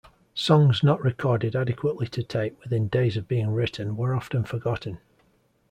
Songs not recorded adequately to tape within days of being written were often forgotten.